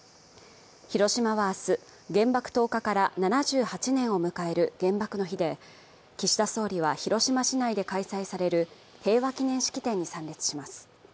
広島は明日、原爆投下から７８年を迎える原爆の日で、岸田総理は、広島市内で開催される平和記念式典に参列します。